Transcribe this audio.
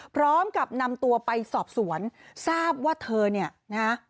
พร้อมกับนำตัวไปสอบสวนทราบว่าเธอเนี่ยนะฮะ